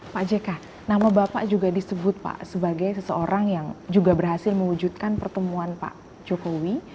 pak jk nama bapak juga disebut pak sebagai seseorang yang juga berhasil mewujudkan pertemuan pak jokowi